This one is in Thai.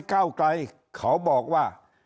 ก้าวไกลเขาบอกว่า